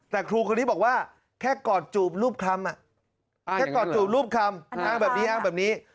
แต่ครูคนนี้บอกว่าแค่กอดจูบรูปคำแค่กอดจูบรูปคำอ้างแบบนี้อ้างแบบนี้